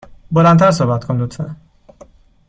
بلند تر صحبت کن، لطفا.